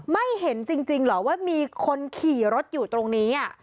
ไม่เห็นจริงเหรอว่ามีคนขี่รถอยู่ตรงนี้